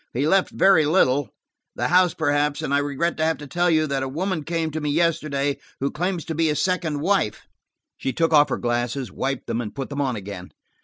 "He left very little. The house, perhaps, and I regret to have to tell you that a woman came to me yesterday who claims to be a second wife." She took off her glasses, wiped them and put them on again.